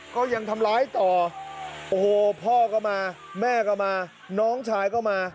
ก็ยังทำร้ายต่อโอ้โหพ่อก็มาแม่ก็มาน้องชายก็มา